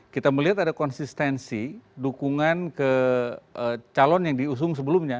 kita melihat ada konsistensi dukungan ke calon yang diusung sebelumnya